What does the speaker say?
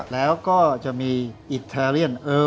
แล้วก็จะมีอิตาเลียนเอิร์ฟ